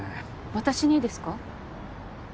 私にですか？